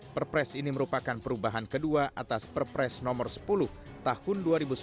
perpres ini merupakan perubahan kedua atas perpres no sepuluh tahun dua ribu sepuluh